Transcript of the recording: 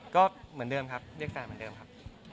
ก็เหมือนเดิมครับเรียกแฟนเหมือนเดิมครับ